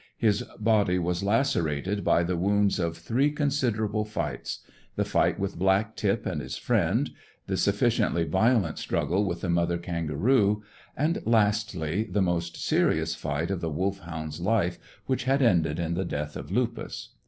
His body was lacerated by the wounds of three considerable fights: the fight with Black tip and his friend; the sufficiently violent struggle with the mother kangaroo; and lastly, the most serious fight of the Wolfhound's life, which had ended in the death of Lupus.